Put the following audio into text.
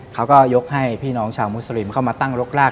เขาก็ยกให้พี่น้องชาวมุสลิมเข้ามาตั้งรกราก